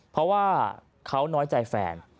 เพราะว่าเขาน้อยใจแฟน